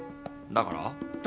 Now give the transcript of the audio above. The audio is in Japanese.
だから！